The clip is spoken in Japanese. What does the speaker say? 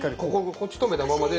こっち止めたままで。